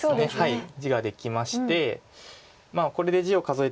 はい。